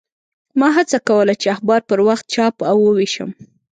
ما هڅه کوله چې اخبار پر وخت چاپ او ووېشم.